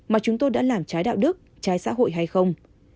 mà chúng tôi đã làm trái đạo đức trái xã hội hay không